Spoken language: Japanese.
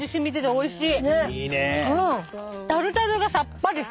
おいしい。